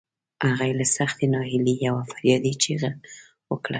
هغې له سختې ناهيلۍ يوه فریادي چیغه وکړه.